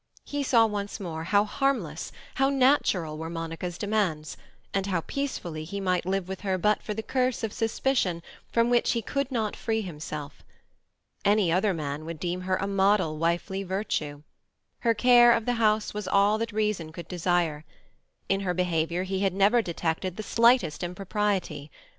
He saw once more how harmless, how natural, were Monica's demands, and how peacefully he might live with her but for the curse of suspicion from which he could not free himself. Any other man would deem her a model of wifely virtue. Her care of the house was all that reason could desire. In her behaviour he had never detected the slightest impropriety.